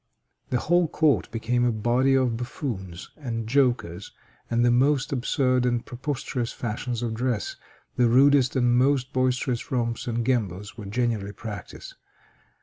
The whole court became a body of buffoons and jokers, and the most absurd and preposterous fashions of dress, the rudest and most boisterous romps and gambols were generally practiced.